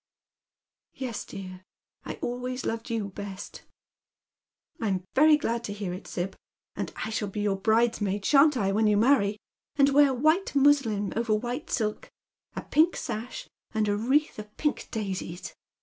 " Yes, dear, I always loved you best." " I'm very glad to hear it, Sib ; and I shall be your bridesmaid, shan't I, when you marry, and wear white muslin over white filk, a pink sash, and a wreath of pink daisies